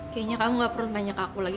kayaknya kamu gak perlu nanya ke aku lagi